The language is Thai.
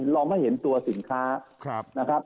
เราไม่เห็นตัวสินค้านะครับ